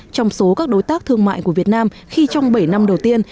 trong số các đối tác thương mại của việt nam khi trong bảy năm đầu tiên